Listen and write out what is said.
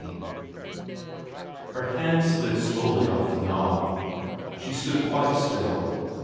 XX HER hand slid slowly off the knob. She stood quite still.